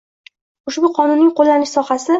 Ushbu Qonunning qo‘llanilish sohasi